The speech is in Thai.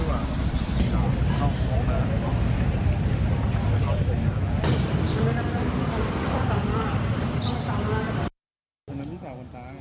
จับแล้วพี่เดินเดินมาแล้ว